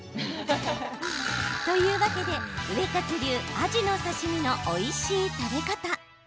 というわけでウエカツ流アジの刺身のおいしい食べ方。